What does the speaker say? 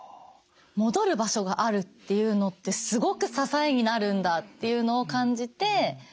戻る場所があるっていうのってすごく支えになるんだっていうのを感じて